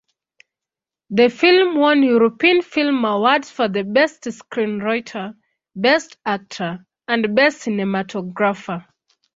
The film won European Film Awards for Best Screenwriter, Best Actor, and Best Cinematographer.